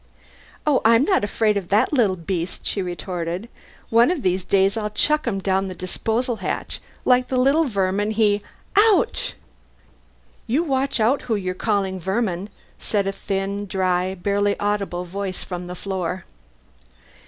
"Oh, I'm not afraid of that little beast," she retorted. "One of these days I'll chuck him down the disposal hatch like the little vermin he ouch!" "You watch out who you're calling vermin," said a thin, dry, barely audible voice from the floor.